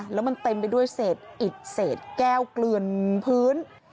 แล้วมันเต็มไปด้วยเศษอิดเศษแก้วเกลือนพื้น